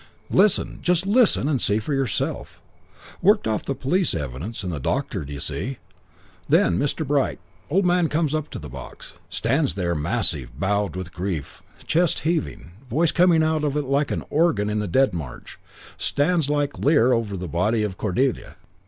"Listen. Just listen and see for yourself. Worked off the police evidence and the doctor, d'you see? Then 'Mr. Bright!' Old man comes up into the box. Stands there massive, bowed with grief, chest heaving, voice coming out of it like an organ in the Dead March. Stands there like Lear over the body of Cordelia.